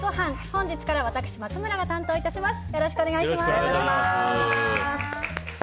本日から私、松村が担当いたします。